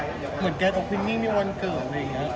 เหมือนแกเติบทิ้งในวันเกิด